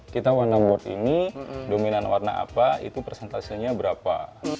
kita warna board ini dominan warna apa itu persentasenya berapa